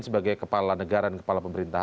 sebagai kepala negara dan kepala pemerintah